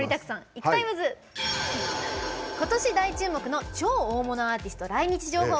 ことし大注目の大物アーティスト来日情報。